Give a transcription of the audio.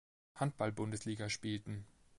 Handball-Bundesliga spielten.